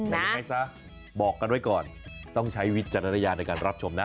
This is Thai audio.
ใดซะบอกกันไว้ก่อนต้องใช้วิจารณญาในการรับชมนะ